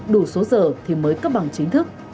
đủ số giờ thì mới cấp bằng chính thức